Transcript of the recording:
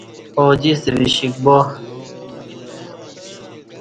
اوجیستہ وشِیک با